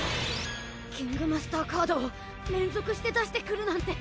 キングマスターカードを連続して出してくるなんて。